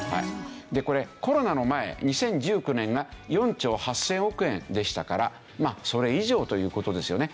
これコロナの前２０１９年が４兆８０００億円でしたからまあそれ以上という事ですよね。